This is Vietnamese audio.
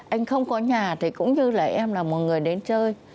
anh không có nhà thì cũng như là em là một người đến chơi